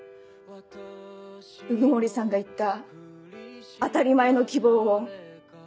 鵜久森さんが言った当たり前の希望を。